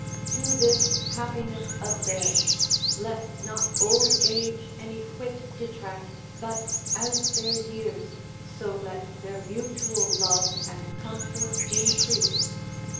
To this happiness of theirs, let not old age any whit detract, but as their years, so let their mutual love and comfort increase.